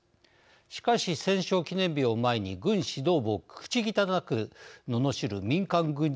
しかし戦勝記念日を前に軍指導部を口汚くののしる民間軍事会社の代表。